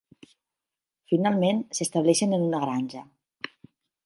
Finalment s'estableixen en una granja.